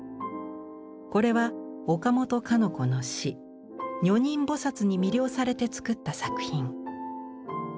これは岡本かの子の詩「女人ぼさつ」に魅了されてつくった作品。